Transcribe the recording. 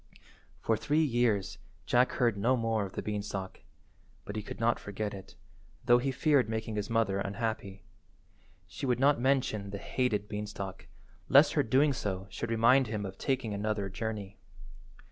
For three years Jack heard no more of the beanstalk, but he could not forget it, though he feared making his mother unhappy. She would not mention the hated beanstalk, lest her doing so should remind him of taking another journey.